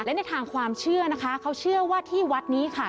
และในทางความเชื่อนะคะเขาเชื่อว่าที่วัดนี้ค่ะ